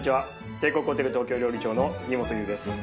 帝国ホテル東京料理長の杉本雄です。